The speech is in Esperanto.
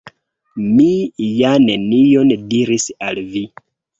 Mi ja nenion diris al vi!